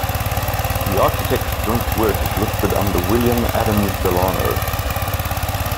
The architects' joint work is listed under William Adams Delano.